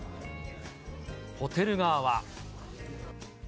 ホテル側は。